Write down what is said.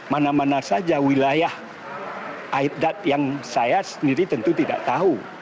mana mana saja wilayah aidat yang saya sendiri tentu tidak tahu